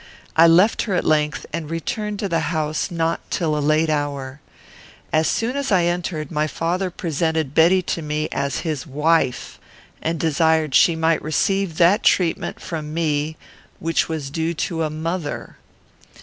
I left her at length, and returned to the house not till a late hour. As soon as I entered, my father presented Betty to me as his wife, and desired she might receive that treatment from me which was due to a mother.